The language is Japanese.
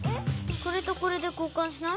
これとこれで交換しない？